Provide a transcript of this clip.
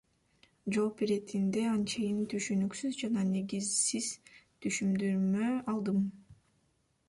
Жооп иретинде анчейин түшүнүксүз жана негизсиз түшүндүрмө алдым.